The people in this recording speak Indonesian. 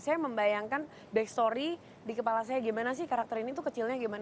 saya membayangkan back story di kepala saya gimana sih karakter ini tuh kecilnya gimana